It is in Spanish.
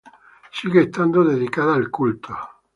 Sigue estando dedicada al culto.